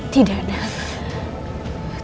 tidak ada apa apa